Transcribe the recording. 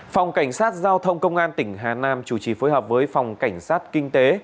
phòng cảnh sát giao thông công an tỉnh hà nam chủ trì phối hợp với phòng cảnh sát kinh tế